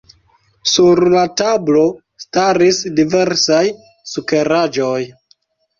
Sur la tablo staris diversaj sukeraĵoj.